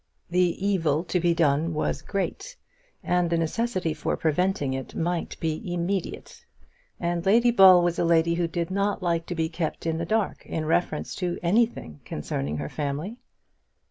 The evil to be done was great, and the necessity for preventing it might be immediate. And Lady Ball was a lady who did not like to be kept in the dark in reference to anything concerning her family.